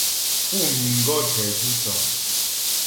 Pú miŋ gɔ̌ tɛ dzʉ cəŋ.